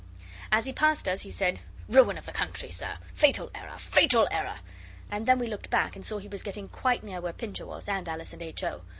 As he passed us he said, 'Ruin of the country, sir! Fatal error, fatal error!' And then we looked back and saw he was getting quite near where Pincher was, and Alice and H. O.